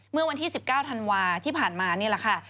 เมื่อวันที่๑๙ธันวาที่ผ่านมานี่แหละค่ะ